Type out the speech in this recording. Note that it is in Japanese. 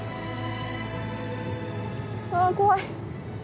あ怖い。